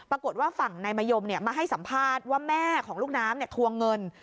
ปรากฏว่าฝั่งนายมะยมมาให้สัมภาษณ์ว่าแม่ของลูกน้ำทวงเงิน